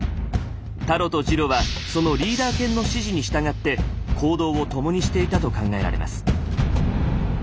タロとジロはそのリーダー犬の指示に従って行動を共にしていたと考えられます。